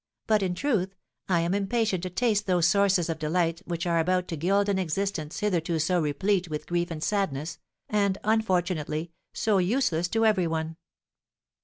But, in truth, I am impatient to taste those sources of delight which are about to gild an existence hitherto so replete with grief and sadness, and, unfortunately, so useless to every one.